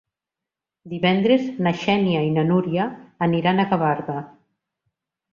Divendres na Xènia i na Núria aniran a Gavarda.